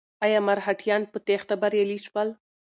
ایا مرهټیان په تېښته بریالي شول؟